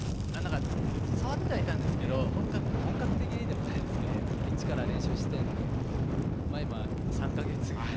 触ってはいたんですけど本格本格的にでもないですけど一から練習してまあ今３か月ぐらい。